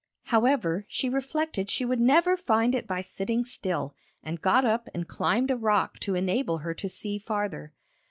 However, she reflected she would never find it by sitting still, and got up and climbed a rock to enable her to see farther.